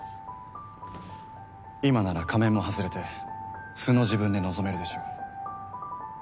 今なら仮面も外れて素の自分で臨めるでしょう。